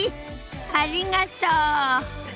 ありがとう。